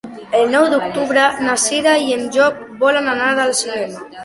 El nou d'octubre na Cira i en Llop volen anar al cinema.